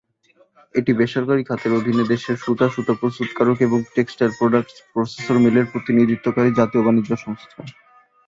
এটি বেসরকারী খাতের অধীনে দেশের সুতা, সুতা প্রস্তুতকারক এবং টেক্সটাইল প্রোডাক্ট প্রসেসর মিলের প্রতিনিধিত্বকারী জাতীয় বাণিজ্য সংস্থা।